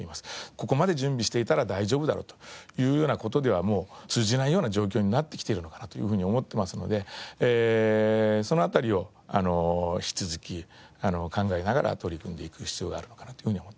ここまで準備していたら大丈夫だろうというような事ではもう通じないような状況になってきているのかなというふうに思ってますのでその辺りを引き続き考えながら取り組んでいく必要があるのかなというふうに思っています。